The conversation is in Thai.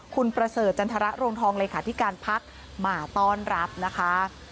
คุณประเสริฐจันทรรภ์โรงทองลัยขาดธิการภักดิ์มาต้อนรับนะคะ